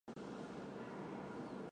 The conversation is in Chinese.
大雷夫。